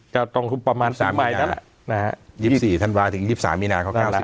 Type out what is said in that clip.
จะต้องประมาณสิบสามมีนายี่สิบสี่ธันวาคมถึงยี่สิบสามมีนา